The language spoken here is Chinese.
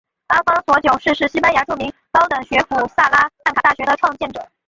阿方索九世是西班牙著名高等学府萨拉曼卡大学的创建者。